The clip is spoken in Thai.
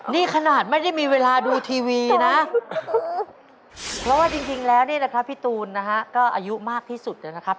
นี่ขนาดไม่ได้มีเวลาดูทีวีนะนะครับพี่ตูนนะครับก็อายุมากที่สุดนะครับ